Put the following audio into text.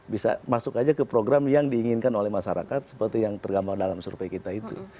bisa masuk aja ke program yang diinginkan oleh masyarakat seperti yang tergambar dalam survei kita itu